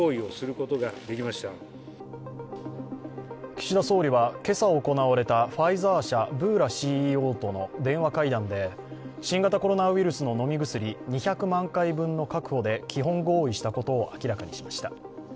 岸田総理は今朝行われたファイザー社、ブーラＣＥＯとの電話会談で新型コロナウイルスの飲み薬２００万回分の確保で基本合意したことを明らかにしました。